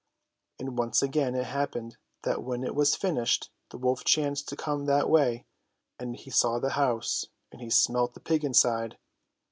And once again it happened that when it was finished the wolf chanced to come that way ; and he saw the house, and he smelt the pig inside.